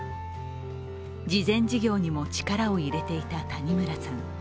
慈善事業にも力を入れていた谷村さん。